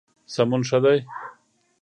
سمون ښه دی.